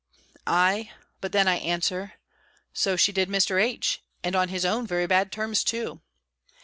"Ay," but then I answer, "so she did Mr. H. and on his own very bad terms too."